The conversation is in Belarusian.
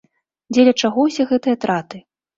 Дзеля чаго ўсе гэтыя траты?